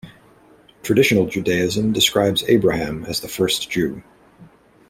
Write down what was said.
Traditional Judaism describes Abraham as the first Jew.